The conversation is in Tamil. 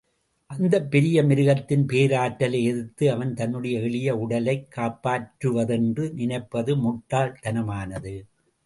அந்தப் பெரிய மிருகத்தின் பேராற்றலை எதிர்த்து, அவன் தன்னுடைய எளிய உடலைக் காப்பாற்றுவதென்று நினைப்பது முட்டாள் தனமானது.